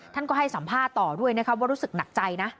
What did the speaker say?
ท่านก็ให้สัมภาษณ์ต่อด้วยนะครับว่ารู้สึกหนักใจนะ